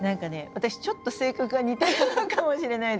私ちょっと性格が似てるのかもしれないですね。